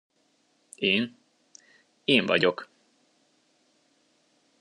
Én: én vagyok!